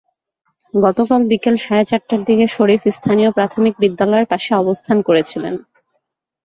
গতকাল বিকেল সাড়ে চারটার দিকে শরীফ স্থানীয় প্রাথমিক বিদ্যালয়ের পাশে অবস্থান করছিলেন।